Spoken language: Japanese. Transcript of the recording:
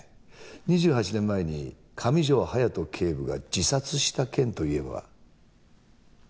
２８年前に上條勇仁警部が自殺した件と言えば。